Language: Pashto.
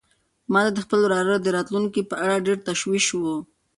ما ته د خپل وراره د راتلونکي په اړه ډېر تشویش و.